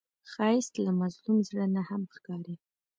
ښایست له مظلوم زړه نه هم ښکاري